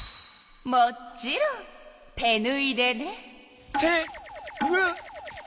もちろん手ぬいでね。